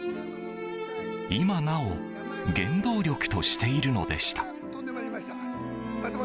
今なお原動力としているのでした。